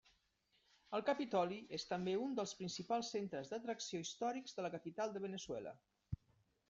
El Capitoli és també un dels principals centres d'atracció històrics de la capital de Veneçuela.